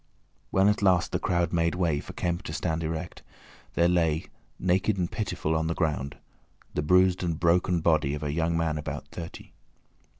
When at last the crowd made way for Kemp to stand erect, there lay, naked and pitiful on the ground, the bruised and broken body of a young man about thirty.